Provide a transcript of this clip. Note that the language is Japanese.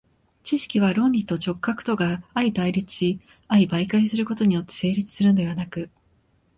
知識は論理と直覚とが相対立し相媒介することによって成立するのではなく、